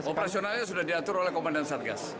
operasionalnya sudah diatur oleh komandan satgas